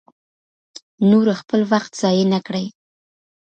نور خپل وخت ضایع نه کړي.